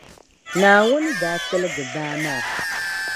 Naawuni daa tiligi baa maa.